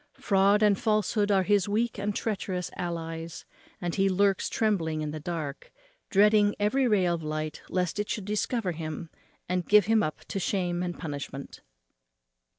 Fraud and falsehood are his weak and treacherous allies; and he lurks trembling in the dark, dreading every ray of light, lest it should discover him, and give him up to shame and punishment.